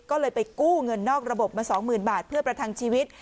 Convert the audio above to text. ก็เลยไปกู้เงินนอกระบบมา๒๐๐๐บาทเพื่อประทังชีวิต